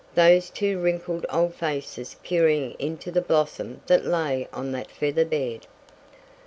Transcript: Those two wrinkled old faces peering into the blossom that lay on that feather bed!